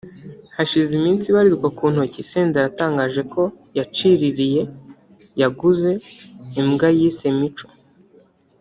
Hashize iminsi ibarirwa ku ntoki Senderi atangaje ko yaciririye [yaguze] imbwa yise ‘Mico’